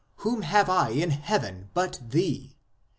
Whom have I in heaven (but Thee)